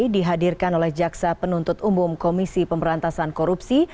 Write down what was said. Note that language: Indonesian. dihadirkan oleh jaksa penuntut umum komisi pemberantasan korupsi